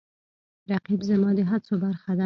رقیب زما د هڅو برخه ده